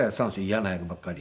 嫌な役ばっかり。